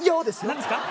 何ですか？